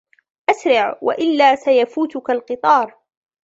أسرع و إلا فسيفوتك القطار.